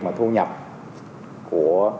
mà thu nhập của